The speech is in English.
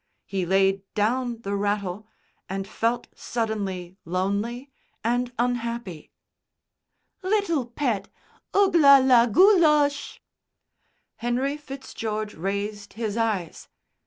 He laid down the rattle, and felt suddenly lonely and unhappy. "Little pet ug la la goo losh!" Henry Fitzgeorge raised his eyes.